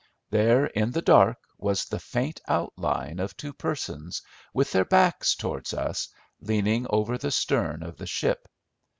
There in the dark was the faint outline of two persons, with their backs towards us, leaning over the stern of the ship.